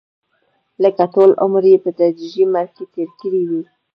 لکه ټول عمر یې په تدریجي مرګ کې تېر کړی وي.